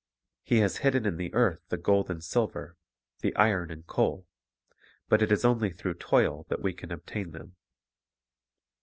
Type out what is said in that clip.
He has hidden in the earth the gold and silver, the iron and coal; but it is only through toil that we can obtain them.